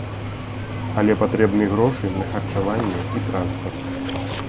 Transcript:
Але патрэбны грошы на харчаванне і транспарт.